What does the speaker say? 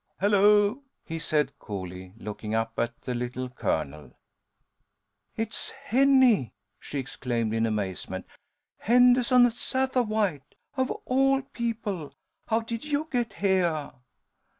"Hullo!" he said, coolly, looking up at the Little Colonel. "It's Henny!" she exclaimed, in amazement. "Henderson Sattawhite! Of all people! How did you get heah?"